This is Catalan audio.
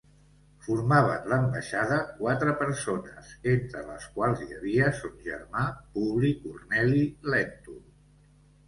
Formaven l’ambaixada quatre persones, entre les quals hi havia son germà Publi Corneli Lèntul.